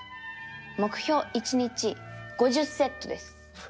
目標１日５０セットです。